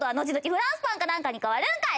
フランスパンかなんかに変わるんかい！